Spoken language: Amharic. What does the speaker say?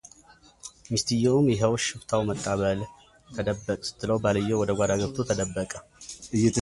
ሚስትየውም ይኸው ሽፍታው መጣ በል ተደበቅ ስትለው ባልየው ወደጓዳ ገብቶ ተደበቀ፡፡